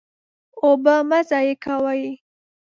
اوبه مه ضایع کوئ.